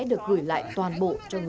được giao đến tận địa chỉ của khách hàng